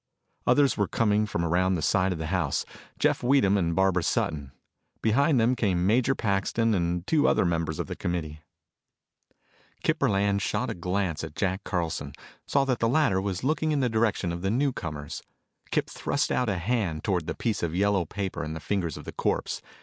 Others were coming from around the side of the house Jeff Weedham and Barbara Sutton. Behind them came Major Paxton and two other members of the committee. Kip Burland shot a glance at Jack Carlson, saw that the latter was looking in the direction of the newcomers. Kip thrust out a hand toward the piece of yellow paper in the fingers of the corpse.